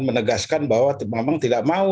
menegaskan bahwa memang tidak mau